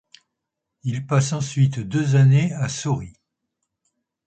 Il passe ensuite deux années à Sori.